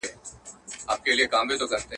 څو یې ستا تېره منگول ته سمومه.